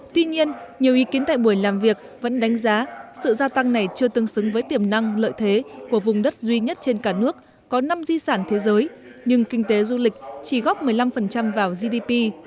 tuy nhiên nhiều ý kiến tại buổi làm việc vẫn đánh giá sự gia tăng này chưa tương xứng với tiềm năng lợi thế của vùng đất duy nhất trên cả nước có năm di sản thế giới nhưng kinh tế du lịch chỉ góp một mươi năm vào gdp